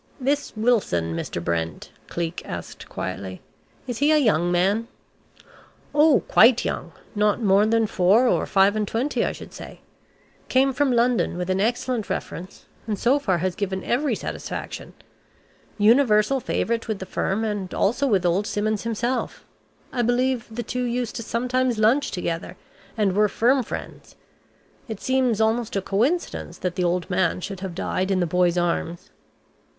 "This Wilson, Mr. Brent," Cleek asked quietly, "is he a young man?" "Oh quite young. Not more than four or five and twenty, I should say. Came from London with an excellent reference, and so far has given every satisfaction. Universal favourite with the firm, and also with old Simmons himself. I believe the two used sometimes to lunch together, and were firm friends. It seems almost a coincidence that the old man should have died in the boy's arms."